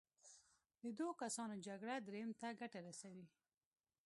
د دوو کسانو جګړه دریم ته ګټه رسوي.